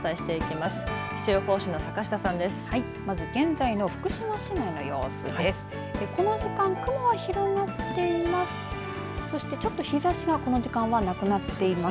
まず、現在の福島市内の様子です。